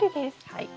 はい。